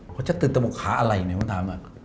เขาจะตื่นตะบกขาอะไรในคำถามนั้น